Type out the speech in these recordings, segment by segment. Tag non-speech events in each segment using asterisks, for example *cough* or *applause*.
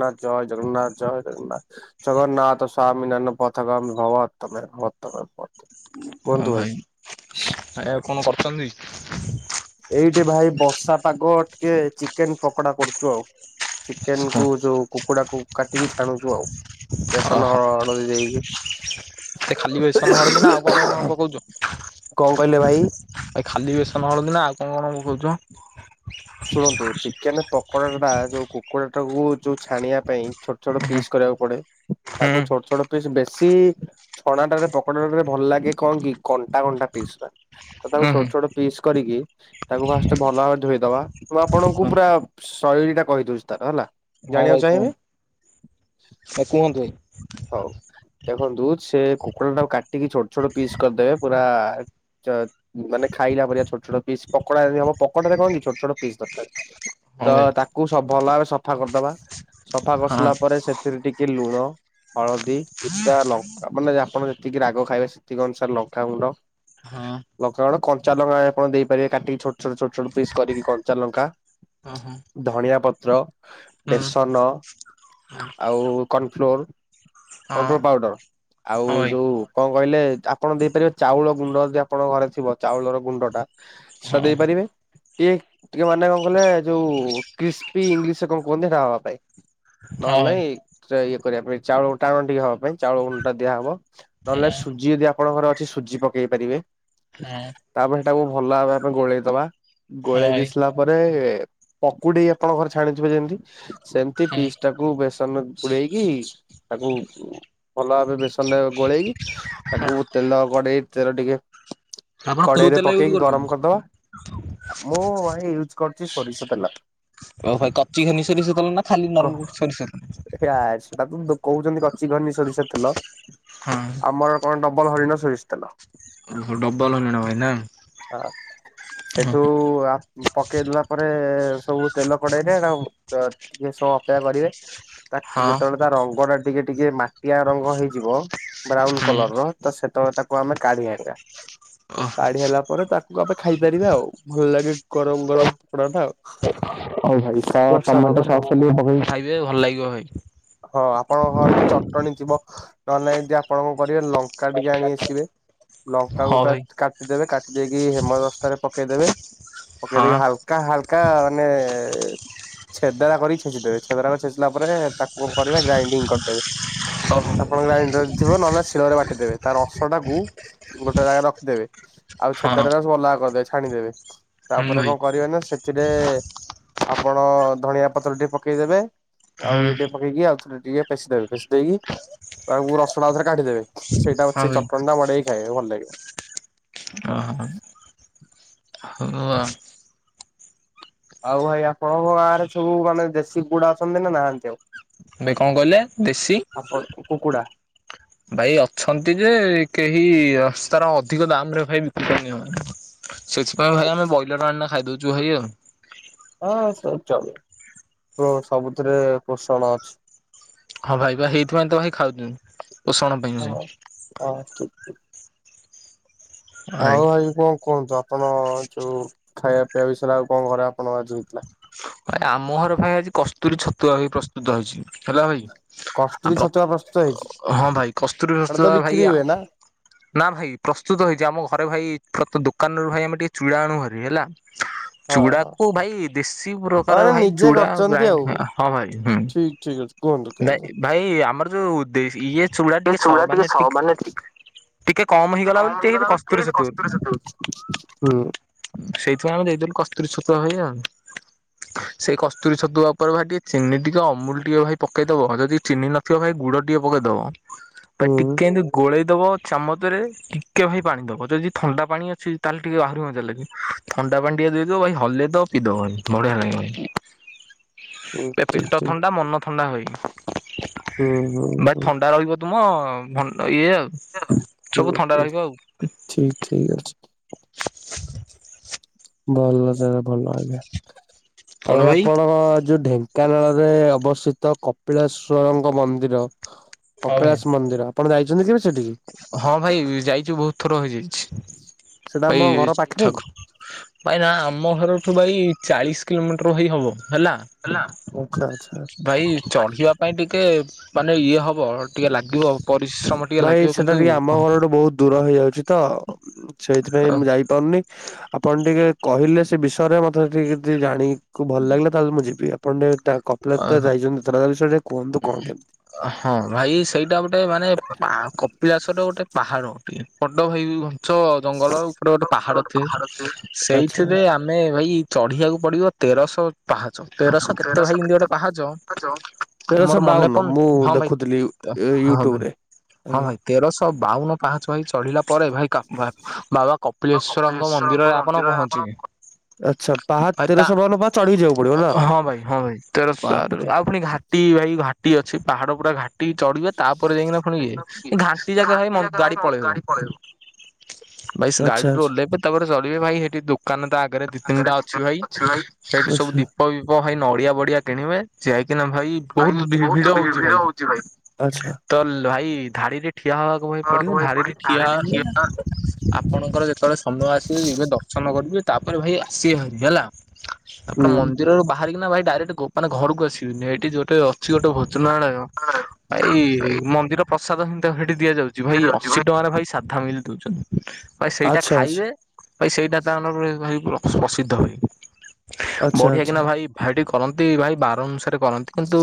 *unintelligible* ଜୟ ଜଗନ୍ନାଥ ଜୟ ଜଗନ୍ନାଥ। ଜଗନ୍ନାଥ ସ୍ବାମୀ ନୟନ ପଥ ଗାମୀ ଭବ ତୁମେ ଭବ ତୁମେ ଭବ ତୁମେ। କୁହନ୍ତୁ ଭାଇ। ଏ କଣ କରୁଛନ୍ତି? ଏଇଟି ଭାଇ ବର୍ଷା ପାଗ ଟିକେ ଚିକେନ ପକୋଡା କରୁଚୁ ଆଉ। ଚିକେନ କୁ ଯୋଉ କୁକୁଡା କୁ କାଟିକି ଛାଣୁଚୁ ଆଉ। ବେସନ ଅ-ଅଳଦି ଦେଇକି। ଏ ଖାଲି ବେସନ ହଳଦୀ ନା ଆଉ କଣ କଣ ପକଉଚ? କଣ କହିଲେ ଭାଇ? ଏ ଖାଲି ବେସନ ହଳଦି ନା ଆଉ କଣ କଣ ପକଉଚ? ଶୁଣନ୍ତୁ ଚିକେନ ପ ପକୋଡା ଟା ଯୋଉ କୁକୁଡା ଟାକୁ ଯୋଉ ଛାଣିଆ ପାଇଁ ଛୋଟ ଛୋଟ ପିସ୍ ହୁଁ କରିଆକୁ ପଡେ। ତାକୁ ଛୋଟ ଛୋଟ ପିସ୍ ବେଶୀ ଛଣା ଟାରେ ପକୋଡାରେ ଭଲ ଲାଗେ କଣ କି କଣ୍ଟା କଣ୍ଟା ପିସ୍ ପା। ତ ତାକୁ ଉଁ ଛୋଟ ହୁଁ। ଛୋଟ ପିସ୍ କରିକି ତାକୁ ଫାଷ୍ଟ ଭଲ ଭାବରେ ଧୋଇଦବା। ମୁଁ ଆପଣଙ୍କୁ ପୁରା ଶୈଳୀ ଟା କହିଦଉଛି ତାର ହେଲା, ଜାଣିବାକୁ ଚାହିଁବେ? ଆ କୁହନ୍ତୁ ଭାଇ। ହଉ। ଦେଖନ୍ତୁ ସେ କୁକୁଡ଼ା ଟାକୁ କାଟିକି ଛୋଟ ଛୋଟ ପିସ୍ କରିଦେବେ ପୁରା ଚ ମାନେ ଖାଇଲା ପରିକା ଛୋଟ ଛୋଟ ପିସ୍ ପକୋଡା ଯେମିତି ହବ ପକୋଡା ଟାରେ କଣ କି ଛୋଟ ଛୋଟ ପିସ୍ ଦରକାର୍। ତ ଭାଇ। ତାକୁ ସ ଭଲ ଭାବେ ସଫା କରିଦବା। ସଫା ହଁ କରିସାରିଲା ଭାଇ ପରେ ସେ ସେଥିରେ ଟିକେ ଲୁଣ ହଳଦୀ, କିଛିଟା ଲଙ୍କା ମାନେ ଆପଣ ଯେତିକି ରାଗ ଖାଇବେ ସେତିକି ଅନୁସାରେ ଲଙ୍କାଗୁଣ୍ଡ ହଁ ଲଙ୍କାଗୁଣ୍ଡ, କଞ୍ଚା ଲଙ୍କା ଆପଣ ଦେଇ ପାରିବେ କାଟିକି ଛୋଟ-ଛୋଟ-ଛୋଟ ପିସ୍ କରିକି କ କଞ୍ଚା ଲଙ୍କା, ହଁ ହଁ ହଁ ଧଣିଆ ପତ୍ର, ହୁଁ ବେସନ ହଁ ହଁ ଭାଇ। ଆଉ କର୍ଣ୍ଣଫ୍ଲୋର, ହଁ କର୍ଣ୍ଣଫ୍ଲୋର ପାଉଡ଼ର। ଆଉ ହଁ ଭାଇ ଯୋଉ କଣ କହିଲେ ଆପଣ ଦେଇ ପାରିବେ ଚାଉଳ ଗୁଣ୍ଡ ଯଦି ଆପଣଙ୍କ ଘରେ ଥିବ ଚାଉଳର ଗୁଣ୍ଡ ଟା। ସେଟା ହଁ ଦେଇ ପାରିବେ। ଟିକେ ଟିକେ ମାନେ କଣ କଲେ ଯୋଉ କ୍ରିସ୍ପି ଇଂଲିଶ କଣ କୁହନ୍ତି ସେଟା ହବା ପାଇଁ। ନହେଲେ ନାଇଁ ଇଏ କରିବା ପାଇଁ, ଚାଉଳ ଟାଣ ଟିକେ ହବା ପାଇଁ ଚାଉଳ ଗୁଣ୍ଡ ଟା ଦିଆହବ। ନହେଲେ ନାଇଁ ସୁଜି ଯଦି ଆପଣଙ୍କ ଘରେ ଅଛି ସୁଜି ପକେଇ ପାରିବେ। ତାପରେ ସେଟାକୁ ଭଲ ହେବା ପାଇଁ ଗୋଳେଇ ଦବା। ଗୋଳେଇ ଦେଇ ସରିଲା ପରେ ପକୁଡ଼ି ଆପଣଙ୍କ ଘରେ ଛାଣିଥୁବେ ଯେମତି ସେମିତି ହଁ ଭାଇ ହଁ। ପିସ୍ ଟାକୁ ବେସନ ବୁଡ଼େଇ କି ତାକୁ ଭଲ ଭାବେ ବେସନରେ ଗୋଳେଇ କି ତାକୁ ତେଲ କଡ଼େଇ ତେଲ ଟିକେ ଆପଣ କୋଉ କଡ଼େଇ ରେ ତେଲ ୟୁଜ୍ ପକେଇକି ଗରମ କରୁଛନ୍ତି? କରିଦବା। ମୁଁ ଭାଇ ୟୁଜ କରୁଛି ସୋରିଷ ତେଲ। ଓଃ ଭାଇ କଚି ଘନି ସୋରିଷ ତେଲ ନା ଖାଲି ନର ସୋରିଷ ତେଲ? ୟାଚ୍ ତାକୁ କହୁଛନ୍ତି କଚି ଘନି ସୋରିଷ ତେଲ। ହଁ ଆମର ଡବଲ ହରିଣ ସୋରିଷ ତେଲ। ଓହୋଃ ଡବଲ ହରିଣ ଭାଇ ନା? ଆ ସେଠୁ ଆ ପକେଇ ଦେଲା ପରେ ସବୁ ତେଲ କଡ଼େଇ ରେ ଏରା ବ ଟିକେ ସମୟ ଅପେକ୍ଷା କରିବେ। ତା ହଁ ଯେତେବେଳେ ତା ରଙ୍ଗ ଟା ଟିକେ ଟିକେ ମାଟିଆ ରଙ୍ଗ ହେଇଯିବ ବ୍ରାଉନ ହୁଁ କଲର ର ତ ସେତେବେଳେ ତାକୁ ଆମେ କାଢ଼ି ଆଣିବା। ଓ କାଢ଼ି ଆଣିଲା ପରେ ତାକୁ ଆମେ ଖାଇ ପାରିବା ଆଉ ଭଲ ଲାଗେ ଗରମ ଗରମ ପକୋଡା ଟା ଆଉ। ହଉ ଭାଇ କ ବର୍ଷା ଟମାଟୋ ପାଗରେ ଆଉ ସସ୍ ଟିକେ ପକେଇକି ଖାଇବେ ଭଲ ଲାଗିବ ଭାଇ। ହଁ ଆପଣଙ୍କ ଘରେ ଯଦି ଚଟଣୀ ଥିବ ନ ହେଲେ ନାଇଁ ଯଦି ଆପଣ କଣ କରିବେ ଲଙ୍କା ଟିକେ ଆଣି ଆସିବେ। ଲଙ୍କାକୁ ହଁ ପୁରା ଭାଇ କାଟିଦେବେ, କାଟି ଦେଇକି ହେମ ଦସ୍ତାରେ ପକେଇ ଦେବେ। ପକେଇ ହଁ ଦେଇକି ହାଲକା ହାଲକା ମାନେ ଛେଦରା କରି ଛେଚି ଦେବେ। ଛେଦରା କରି ଛେଚିଲା ପରେ ତାକୁ କଣ କରିବେ ଗ୍ରାଇଣ୍ଡିଙ୍ଗ୍ କରିଦେବେ। ହଉ ଆପଣଙ୍କ ର ଗ୍ରାଇଣ୍ଡର ଥିବ, ନହଲେ ଶିଳରେ ବାଟିଦେବେ। ତାର ରସ ଟାକୁ ଗୋଟେ ଜାଗାରେ ରଖିଦେବେ। ଆଉ ହଁ ଛେଦରା ରା ସବୁ ଅଲଗା କରି ଦେବେ ଛାଣି ଦେବେ। ହୁଁ ତାପରେ ଭାଇ କଣ କରିବେ ନା ସେଥିରେ ଆପଣ ଧଣିଆ ପତ୍ର ଟିକେ ପକେଇ ଦେବେ। ଆଉ ହୁଁ ଇଏ ଟିକେ ପକେଇକି ଆଉ ଥରେ ଟିକେ ପେଶି ଦେବେ, ପେଶି ଦେଇକି ତାକୁ ରସୁଣ ଆଉ ଥରେ କାଢ଼ି ଦେବେ। ସେଇଟା ହଁ ସେଇ ଭାଇ ଚଟଣି ଟା ମଡ଼େଇ କି ଖାଇବେ ଭଲ ଲାଗିବ। ଓହୋଃ। ହଉ ଆଉ। ଆଉ ଭାଇ ଆପଣଙ୍କ ଗାଁରେ ସବୁ ମାନେ ଦେଶୀ କୁକୁଡା ଅଛନ୍ତି ନା ନାହାନ୍ତି ଆଉ। ଭାଇ କଣ କହିଲ ଦେଶୀ ଆପଣ କୁକୁଡା। ଭାଇ ଅଛନ୍ତି ଯେ କେହି ତାର ଅଧିକ ଦାମ୍ ରେ ଭାଇ ବିକ୍ରି କରି ନିଅନା। ସେଥିପାଇଁ ଭାଇ ଆମେ ବଇଲର ଆଣି ନା ଖାଇଦୋଉଚୁ ଭାଇ ଆଉ। ହଁ ସବୁ ଚଳିବ। ହଁ ସବୁଥିରେ ପୋଷଣ ଅଛି। ହଁ ଭାଇ ବା ହେଇଥିପାଇଁ ତ ଭାଇ ଖାଉଚ ପୋଷଣ ପାଇଁ ଭାଇ। ହଁ ହଁ ଠିକ୍ ଠିକ୍। ହଁ ଆଉ ଭାଇ କଣ କୁହନ୍ତୁ। ଆପଣ ଯୋଉ ଖାଇବା ପିଇବା ବିଷୟରେ ଆଉ କଣ ଘରେ ଆପଣ ଆଜି ହେଇଥିଲା? ଭାଇ ଆମ ଘରେ ପାଇଁ ଆଜି କସ୍ତୁରୀ ଛତୁଆ ବି ପ୍ରସ୍ତୁତ ହୋଇଚି ହେଲା ଭାଇ। ଆ କସ୍ତୁରୀ ପ୍ର ଛତୁଆ ପ୍ରସ୍ତୁତ ହେଇଛି ହଁ ଭାଇ କସ୍ତୁରୀ ସେଟା ତ ଛତୁଆ ବିକ୍ରି ଭାଇ ଆ ହୁଏ ନା ନା ଭାଇ ପ୍ରସ୍ତୁତ ହେଇଚି ଆମ ଘରେ ଭାଇ ପ୍ରତ ଦୋକାନରୁ ଭାଇ ଆମେ ଟିକେ ଚୁଡା ଆଣୁ ହାରି ହେଲା। ହଁ ହଁ ଚୁଡାକୁ ଭାଇ ଦେଶୀ ବ୍ରୋ *unintelligible* ମାନେ ଭାଇ ନିଜେ ଚୁଡା କରିଛନ୍ତି ଆଉ ଗ୍ରାଇଣ୍ଡି ହଁ ଭାଇ ହୁଁ ଠିକ ଠିକ ଅଛି କୁହନ୍ତୁ କେମିତି? ନାଇ ଭାଇ ଆମର ଯୋଉ ଦେ ଇଏ ଚୁଡା ଟିକେ ସ ମାନେ ଟି ଟିକେ କମ୍ ହେଇଗଲା ବୋଲି ଟିକେ କସ୍ତୁରି ଛତୁ ହୁଁ ସେଇଥିପାଇଁ ଆମେ ଦେଇଦେଲୁ କସ୍ତୁରି ଛତୁଆ ଭାଇ ଆଉ। ସେଇ କସ୍ତୁରୀ ଛତୁଆ ଉପରେ ଭାଇ ଟିକେ ଚିନି ଟିକେ ଅମୁଲ ଟିକେ ଭାଇ ପକେଇଦବ ଯଦି ଚିନି ନ ଥିବ ଭାଇ ଗୁଡ ଟିକେ ପକେଇଦବ। ଭାଇ ହୁଁ ଟିକେ କିନ୍ତୁ ଗୋଳେଇ ଦବ ଚାମଚରେ ଟିକେ ଭାଇ ପାଣି ଦବ। ଯଦି ଥଣ୍ଡା ପାଣି ଅଛି ତାହେଲେ ଟିକେ ଆହୁରି ମଜା ଲାଗିବ। ଥଣ୍ଡା ପାଣି ଟିକେ ଦେଇଦବ ଭାଇ ହଲେଇ ଦବ ପିଇଦବ ଭାଇ ବଢିଆ ଲାଗିବ। ହୁଁ ଏ ଠିକ ପେଟ ଠିକ ଥଣ୍ଡା ମନ ଥଣ୍ଡା ହୋଇ। ହୁଁ ହୁଁ ଭାଇ ହୁଁ ଥଣ୍ଡା ରହିବ ତୁମ ମୁଣ୍ଡ ଇଏ ଆଉ ସବୁ ଥଣ୍ଡା ରହିବ ଆଉ। ଠିକ୍ ଠିକ୍ ଅଛି। ଭଲ ସେ ଭଲ ହେଲା ଆଉ କଣ ଏ ଭାଇ ଆପଣଙ୍କ ଯୋଉ ଢେ ଙ୍କାନାଳରେ ଅବସ୍ଥିତ କପିଳେଶ୍ଵରଙ୍କ ମନ୍ଦିର କପିଳାସ ମନ୍ଦିର‌ ଆପଣ ଯାଇଚନ୍ତି କେବେ ସେ ହଁ ଭାଇ ଯାଇଚୁ ବୋହୁତ ଥର ହେଇଯାଇଚି। ସେଟା ଆମ ଘର ଭାଇ ପାଖରେ କି? ଠାକୁ ଭାଇ ନା ଆମ ଘରଠୁ ଭାଇ ଚାଳିଶ କିଲୋମିଟର ଭାଇ ହବ ହେଲା। ହେଲା ଆଚ୍ଛା ଆଚ୍ଛା *unintelligible* ଚଢିବା ଭାଇ ଟିକେ ମାନେ ଇଏ ହବ ଟିକେ ଲାଗିବ ପରିଶ୍ରମ ଟିକେ ଲାଗି ଭାଇ ସେଟା ଟିକେ ଆମ ଘରଠୁ ବୋହୁତ ଦୂର ହେଇଯାଉଚି ତ ସେଇଥିପାଇଁ ମୁଁ ଜା ଇପାରୁନି ଆପଣ ଟିକେ କହିଲେ ସେ ବିଷୟରେ ମତେ ଟିକେ କିଛି ଜାଣି *inaudible* କୁ ଭଲ ଲାଗିଲା ତାହେଲେ ମୁଁ ଯିବି ଆପଣ ଟିକେ ତା କପିଳାସ ଯାଇଚନ୍ତି ତା ବିଷୟ କୁହନ୍ତୁ କଣ କେମିତି? ହଁ ଭାଇ ସେଇଟା ଗୋଟେ ମାନେ ପାଅ କପିଳାଶଟା ଗୋଟେ ପାହାଡ। ବଡ ଭାଇ ଘଞ୍ଚ ଜଙ୍ଗଲ ଉପରେ ଗୋଟେ ପାହାଡ ଅଥି ଆଚ୍ଛା। ସେଇଥିରେ ଆ ମେ ଭାଇ ଚଢିବାକୁ ପଡିବ ତେରଶହ ପାହାଚ ତେରଶହ କେ ମୋର ତେରଶହ ମନେ ବାଉନ ପଡୁନି ମୁଁ ହଁ ଭାଇ ଦେଖୁଥିଲି ହଁ ଭାଇ ୟୁ-ୟୁଟ୍ୟୁବରେ। ହଁ ଆଜ୍ଞା। ଭାଇ ତେରଶହ ବାଉନୁ ପାହଚ ଭାଇ ଚଢିଲା ପରେ ଭାଇ କା ବା-ବାବା କପିଳେଶ୍ଵରଙ୍କ ମନ୍ଦିରରେ ଆପଣ ପହଞ୍ଚିବେ। ଆଚ୍ଛା ପାହା ଭାଇ ତା ତେରଶହ ବାଉନ ପାହାଚ ଚଢି ଯିବାକୁ ପଡିବ ନାଁ। ହଁ ଭାଇ ହଁ ଭାଇ ତେରସ ଆଉ ପୁଣି ଘାଟି ଭାଇ ଘାଟି ଅଛି ପାହାଡ ପୁରା ଘାଟି ଘଟି ଚଢିବେ ତାପରେ ଯାଇକିନା ପୁଣିିବେ ଘାଣ୍ଟି ଯାକେ ଭାଇ ଗାଡି ପଳେଇବ। ଭାଇ ଆଚ୍ଛା ଗାଡିରୁୁ ଆଚ୍ଛା। ଓହ୍ଲେଇବେ ତାପରେ ଚଢିବେ ଭାଇ ସେଠି ଦୋକାନ ତ ଆଗରେ ଦି ତିନିଟା ଅଛି ଭାଇ। ସେଇଠି ସବୁ ଆଚ୍ଛା। ଦୀପ ବିିପ ଭାଇ ନଡିଆ ବଡିଆ କିଣିବେ ଯାଇକିନା ଭାଇ ବହୁତ ଭିଡ ହଉଛି ଭାଇ। ତ ଭାଇ ଧାଡିରେ ଠିଆ ହବାକୁ ଭାଇ ପଡିବ ହୁଁ। ଆଚ୍ଛା ଧାଡିରେ ଠିଆ ହେଲେନା ଆପଣଙ୍କର ଯେତେବେଳେ ସମୟ ଆସିବ ଜିବେ ଦର୍ଶନ କରିବେ ତାପରେ ଭାଇ ଆସିବେ ଭାରିବି ହେଲା। ଆପଣ ମନ୍ଦିରରୁ ବାହାରିକିନା ଭାଇ ଡାଇରେକ୍ଟ ଗୋପାନ ଘରକୁ ଆସିବେନି ଏଠି ଯୋଉଟେ ଅଛି ଗୋଟେ ଭୋଜନାଳୟ ଏଇ ମନ୍ଦିର ପ୍ରସାଦ ହେନ୍ତି ସେଠି ଦିଆଯାଉଛି। ଭାଇ ଅଶୀ ଟଙ୍କାରେ ଭାଇ ସାଧା ମିଲ୍ ଦଉଛନ୍ତି ଭାଇ ସେଇଟା ଆଚ୍ଛା ଆଚ୍ଛା ଆଚ୍ଛା। ଖାଇବେ ଭାଇ ସେଇଟା ତା ମ ଭ ପ୍ରସିଦ୍ଧ ଭାଇ ବଢିଆ କିନା ଭାଇ ଭାଇ ସେଠି କରନ୍ତି ଭାଇ ବାର ଅନୁସାରେ କରନ୍ତି କିନ୍ତୁ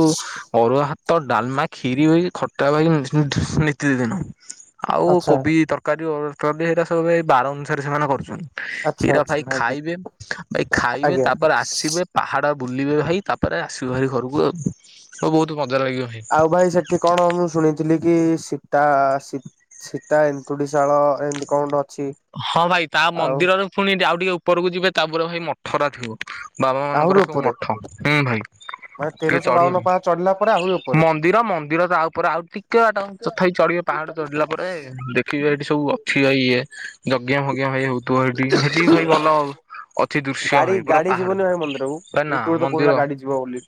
ଅରୁଆ ତ ଡାଲମା ଖିରି ଭାଇ ଖଟା ଭାଇ ନିତିଦିନ ଆଉ ଆଚ୍ଛା କୋବି ତରକାରୀ ତରକାରୀ କରୁଛନ୍ତି ସେଇଟା ସବୁ ଏଇ ବାର ଅନୁସାରେ ସେମାନେ କରୁଛନ୍ତି। ଆଚ୍ଛା ହୀର ଭାଇ ଆଚ୍ଛା ଆଜ୍ଞା ଖାଇବେ ଭାଇ ଖାଇବେ ଆଜ୍ଞା। ତାପରେ ଆସିବେ ଆଉ ପାହାଡ ବୁଲିବେ ଭାଇ ତାପରେ ଆସିବେ ଭାରି ଘରକୁ ଆଉ ଆ ବହୁତ ମଜା ଲାଗିବ ଭାଇ। ଆଉ ଭାଇ ସେଠି କଣ ମୁଁ ଶୁଣିଥିଲି କି ସୀତା ସୀ ସୀତା ଏନ୍ତୁଡିଶାଳ ଏମିତି କଣ ଗୋଟେ ଅଛି। ହଁ ଭାଇ ତା ଆଉ ମନ୍ଦିରରେ ପୁଣି ଆଉ ଟିକେ ଉପରକୁ ଯିବେ ତାପରେ ଭାଇ ମଠରା ଥିବ। ବାବା ଆହୁରି ମାନଙ୍କର ସବୁ ଉପରେ। ମଠ ହୁଁ ଭାଇ ମାନେ ଟିକେ ତେରଶହ ବାଉନ ଚଢିବାକୁ ପାହା ଚଢିଲା ପରେ ଆହୁରି ଉପରେ। ମନ୍ଦିର ମନ୍ଦିର ତା ଉପରେ ଆଉ ଟିକେ ଯଥା ଚଢିବ। ପାହାଡ଼ ଚଢିଲା ପରେ ଦେଖିବେ ଏଇଠି ସବୁ ଅଥୟ ଇଏ। ଜଜ୍ଞା ଭଜ୍ଞା ଭାଇ ହଉଥିବ ସେଇଠି ସେଠି ବି ଭାଇ ଭଲ। ଅତି ଦୃଶ୍ୟ ଗାଡି ଭାଇ ପୁରା ଗାଡି ପାହାଡ ଯିବନି ଭାଇ ମନ୍ଦିରକୁ କ ନା ୟୁଟ୍ୟୁବରେ ତ କହୁଥିଲା ମନ୍ଦିର। ଗାଡି ଯିବ ବୋଲି।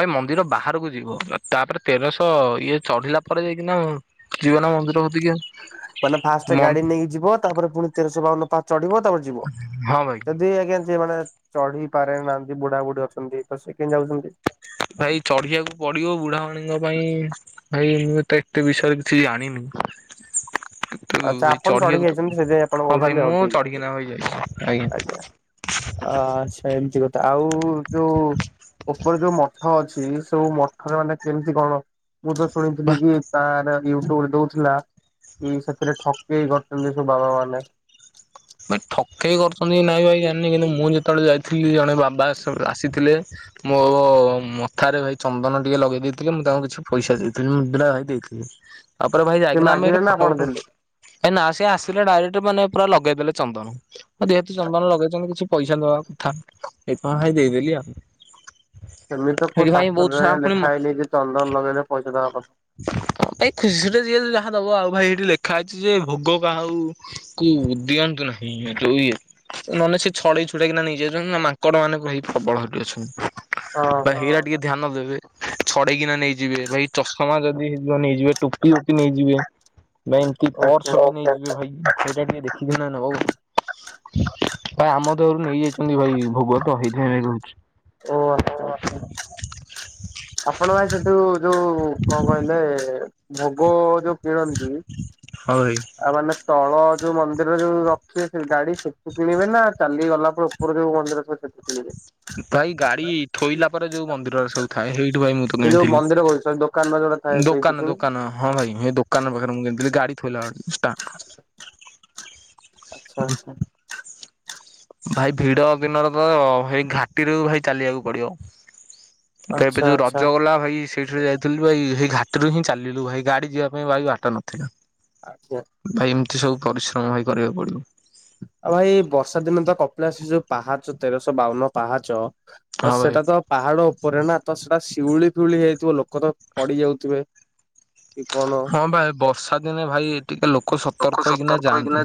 ଭାଇ ମନ୍ଦିର ବାହାରକୁ ଯିବ ତାପରେ ତେରଶହ ଇଏ ଚଢିଲା ପରେ ଯାଇକିନା ଯିବ ନା ମନ୍ଦିର କତିକି ମାନେ ଫାଷ୍ଟ ଗାଡି ନେଇକି ଯିବ ତାପରେ ପୁଣି ତେରଶହ ବାଉନ ପା ଚଢିବ ତାପରେ ଯିବ। ହଁ ଭାଇ। ଯଦି ଆଜ୍ଞା ଯିଏ ମାନେ ଚଢି ପାରେ ନାହାନ୍ତି ବୁଢା ବୁଢ଼ୀ ଅଛନ୍ତି ତ ସେ କେନ୍ତି ଯାଉଛନ୍ତି? ଭାଇ ଚଢିବାକୁ ପଡିବ ବୁଢାବୁଢ଼ୀଙ୍କ ପାଇଁ ଭାଇ ମୁଁ ତ ଏତେ ବିଷୟରେ କିଛି ଜାଣିନି? କିନ୍ତୁ ଆଚ୍ଛା ଭାଇ ଆପଣ ଚଢିକି ଚଢିବାକୁ ତ ଯାଇଛନ୍ତି ସେଥିନାଇଁ ଆପଣ ହଁ ଭାଇ କହୁଛନ୍ତି ହଉ ମୁଁ ଠିକଠିକ ଚଢିକିନା ଭାଇ ଯାଇଛି ଅଛି ଆଜ୍ଞା। ଆଚ୍ଛା ଏମିତି କଥା ଆଉ ଯୋଉ ଉପରେ ଯୋଉ ମଠ ଅଛି ସେୋଉ ମଠରେ ମାନେ କେମିତି କଣ? ମୁଁ ତ ଶୁଣିଥିଲି କି ତାର ୟୁଟ୍ୟୁବରେ ଦଉଥିଲା କି ସେ ରେ ଠକେଇ କରିଛନ୍ତି ସବୁ ବାବା ମାନେ। ଭାଇ ଠକେଇ କରୁଛନ୍ତି କି ନାଇଁ ଭାଇ ଜାଣିନି କିନ୍ତୁ ମୁଁ ଯେତେବେଳେ ଯାଇଥିଲି ଜଣେ ବାବା ସ ସବୁ ଆସିଥିଲେ। ମୋ ମଥାରେ ଭାଇ ଚନ୍ଦନ ଟିକେ ଲଗେଇ ଦେଇଥିଲେ ମୁଁ ତାଙ୍କୁ କିଛି ପଇସା ଦେଇଥିଲି ମୁଦ୍ରା ଭାଇ ଦେଇଥିଲି। ତାପରେ ଭାଇ ସେ ଯାଇକିନା ଆମେ ଏଠି ମାଗିଲେ ନା ଫଟୋ ଆପଣ ଦେଲେ? ଫଟୁ ନା ସେ ଆସିଲେ ଡାଇରେକ୍ଟ ମାନେ ପୁରା ଲଗେଇଦେଲେ। ଚନ୍ଦନ ଯେହେତୁ ଚନ୍ଦନ ଲଗେଇଛନ୍ତି କିଛି ପଇସା ଦବା କଥା ସେଇଥି ପାଇଁ ଦେଇଦେଲି ଆଉ ସେମିତ କୋଉ ସେଇଠି ଭାଇ ବହୁତ ଶାସ୍ତ୍ରରେ ସାରା ଆଜ୍ଞା ପୁଣି ଲେଖାହେଇନି ଚନ୍ଦନ ଲଗେଇଲେ ପଇସା ଦବା ହବ। ଭାଇ ଖୁସି ରେ ଯିଏ ଯାହା ଦବ ଆଉ ଭାଇ ହେଇଠି ଲେଖା ହେଇଛି ଯେ ଭୋଗ କାହା ଆଉ। କୁ ଦିଆନ୍ତି ନାହିଁ ଯୋଉ ଇଏ। ନହେନେ ସେ ଛଡେଇ ଛୁଡେଇକି ନା ନେଇ ଯାଉଛନ୍ତି ନା ମାଙ୍କଡ ମାନେ ଭାଇ ପ୍ରବଳ ହେଟି ଅଛନ୍ତି। ଭାଇ କଥା। ହେଇ ଗୁରା ଟିକେ ଧ୍ୟାନ ଦେବେ ଛଡେଇକିନା ନେଇଯିବେ ଭାଇ ଚଷ ଚଷମା ଯଦି ହେଇ ଥିବ ନେଇଯିବେ ଟୋପି ଫୋପି ନେଇଯିବେ ବା ଏମିତି ଓ ହୋ ପର୍ସ ନେଇଯିବେ ଭାଇ। ସେଗୁଡା ଟିକେ ଦେଖି କିନା ନବ। ଭାଇ ଆମ ଦେହରୁ ନେଇଯାଇଛନ୍ତି ଭାଇ ଭୋଗତ ହେଇଥି ପାଇଁ ଭାଇ କହୁଚି। ଓ ଆଚ୍ଛା ଆଛା। ଆପଣ ଭାଇ ସେଠୁ ଯୋଉ କଣ କହିଲେ ଭୋଗ ଯୋଉ। କିଣନ୍ତି। ହଁ ଭାଇ ଆଉ ମାନେ ତଳ ଯୋଉ ମନ୍ଦିର ଯୋଉ ରଖିବେ ସେ ଗାଡି ସେଠି କିଣିବେ ନା ଚାଲି ଗଲା ପରେ। ଉପରେ ଯୋଉ ମନ୍ଦିର ଥିବ ସେଠୁ କୀଣିବେ। ଭାଇ ଗାଡି ଥୋଇଲା ପରେ ଯୋଉ ମନ୍ଦିରରା ସବୁ ଥାଏ ସେଇଠୁ ଭାଇ ମୁଁ। ତ ଏଇ ଯୋଉ କିଣିଥିଲି। ମନ୍ଦିର କହୁଛି ସରି ଦୋକାନ ବା ଯୋଉ ଗୁଡା ଥାଏ ସେଇଠୁ ଦୋକାନ କିଣୁ। ଦୋକାନ ହଁ ଭାଇ ମୁଁ ହେଇ ଦୋକାନ ପାଖରେ ମୁଁ କିଣିଥିଲି ଗାଡି ଥୋଇଲା ବେଳେ ଷ୍ଟା ଆଚ୍ଛା ଆଚ୍ଛା। ଭାଇ ଭିଡ ଦିନରେ ତ ହେଇ ଘାଟି ରୁ ଭାଇ ଚାଲିବାକୁ ପଡିବ। ତ ଏବେ ଆଚ୍ଛା ଯୋଉ ଆଚ୍ଛା। ରଜ ଗଲା ଭାଇ। ସେଇ ଥିରେ ଯାଇଥିଲୁ ଭାଇ ସେଇ ଘାଟି ରୁ ହିଁ ଚାଲିଲୁ ଭାଇ ଗାଡି ଯିବା ପାଇଁ ଭାଇ ବାଟ ନଥିଲା। ଆଜ୍ଞା। ଭାଇ ଏମିତି ସବୁ ପରିଶ୍ରମ ଭାଇ କରିବାକୁ ପଡିବ। ଆଉ ଭାଇ ବର୍ଷା ଦିନେ ତ କପିଳାସ ଏ ଯୋଉ ପାହାଚ ତେରଶ ବାଉନ ପାହାଚ। ତ ହଁ ଭାଇ ସେଟା ତ ପାହାଡ ଉପରେ ନା ତ ସେଟା ସିଉଳି ଫିଉଳି ହେଇ ଯାଇଥିବ ଲୋକ ତ ପଡି ଯାଉଥିବେ। କି କଣ? ହଁ ବା ଏ ବର୍ଷା ଦିନେ ଭାଇ ଟିକେ ଲୋକ ସତର୍କ ହେଇକିନା ଯାଆନ୍ତି।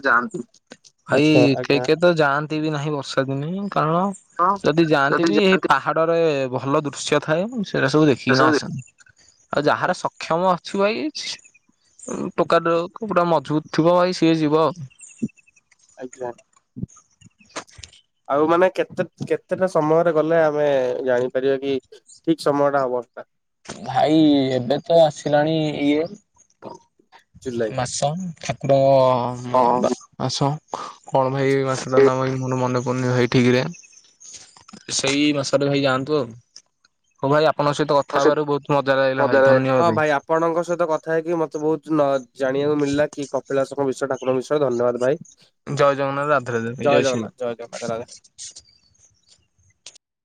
ଭାଇ କେହି କେହି ତ ଯାଆନ୍ତି ବି ନାହିଁ ବର୍ଷା ଦିନେ କାରଣ ହଁ ଯଦି ଯାଆନ୍ତି ବି ହେଇ ପା ପାହାଡ ରେ ଭଲ ଦୃଶ୍ୟ ଥାଏ ସେଇରା ସବୁ ଦେଖିକିନା ଆସନ୍ତି। ଆଉ ଯାହାର ସକ୍ଷମ ଅଛୁ ଭାଇ। ଉଁ ଟୋକା ଟୁକୁ ପୁରା ମଜବୁତ ଥିବ ଭାଇ ସିଏ ଯିବ ଆଉ। ଆଜ୍ଞା ଆଉ ମାନେ କେତେ କେ କେତେଟା ସମୟରେ ଗଲେ ଆମେ ଜାଣିପାରିବା କି ଠିକ ସମୟ ଟା ହବ। ଭାଇ ଏବେ ତ ଆସିଲାଣି ଇଏ ଜୁଲାଇ ମାସ। ଠାକୁରଙ୍କ ବା ମାସ କଣ ଭାଇ ଏ ଆଛା ମାସ। ସେଟା ନ ଭାଇ ମୋର ମନେ ପଡ଼ୁନି ଭାଇ ଠିକରେ। ସେଇ ମାସରେ ଭାଇ ଯାଆନ୍ତୁ ଆଉ ହଉ ଭାଇ ଆପଣଙ୍କ ସହିତ। କଥା ହବାରୁ ବହୁତ ମଜା ଲାଗିଲା ଭାଇ ଧନ୍ୟବାଦ୍‌ ଭାଇ। ଆପଣଙ୍କ ସହିତ କଥା ହେଇକି ମତେ ବହୁତ ନ ଜାଣିବାକୁ ମିଳିଲା କି କପିଳାସ। ତୁମ ବିଶୟ ଠାକୁରଙ୍କ ବିଶୟ ଧନ୍ୟବାଦ ଭାଇ। ଜୟ ଜଗନ୍ନାଥ ରାଧେ ରାଧେ ଜୟ ଶ୍ରୀରାମ। ଜମା ତ ଲାଗେନି।